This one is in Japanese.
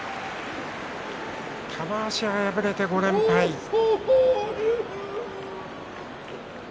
玉鷲敗れて５連敗です。